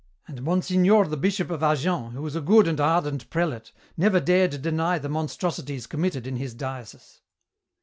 And Monsignor the Bishop of Agen, who was a good and ardent prelate, never dared deny the monstrosities committed in his diocese!"